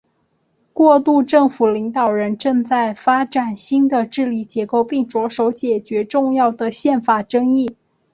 过渡政府领导人正在发展新的治理结构并着手解决重要的宪法争议。